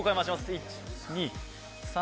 １２３。